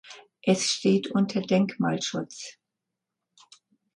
Es steht unter Denkmalschutz.